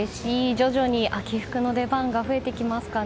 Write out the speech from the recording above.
徐々に秋服の出番が増えてきますかね。